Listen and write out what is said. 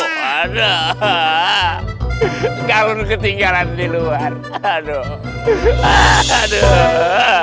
ha ha ha ha galun ketinggalan diluar aduh aduh